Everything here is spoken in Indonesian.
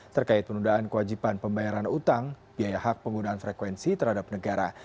terkait penundaan kewajiban pembayaran utang biaya hak penggunaan frekuensi terhadap negara